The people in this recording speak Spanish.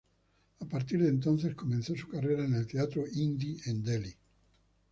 A partir de entonces, comenzó su carrera en el teatro Hindi en Delhi.